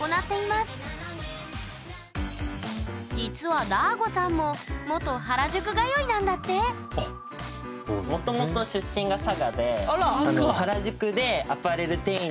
実はだーごさんも元原宿通いなんだってもともと佐賀！